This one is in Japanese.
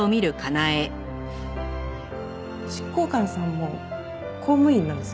執行官さんも公務員なんですよね？